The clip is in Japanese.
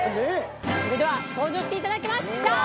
それでは登場していただきましょう！